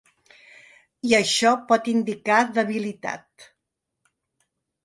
I això pot indicar debilitat.